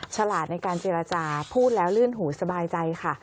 ฉลาดในการเจรจาพูดแล้วลื่นหูสบายใจค่ะ